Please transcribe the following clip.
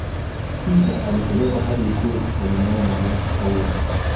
Kisha alipelekwa hadi ikulu kusalimiana na Rais Toure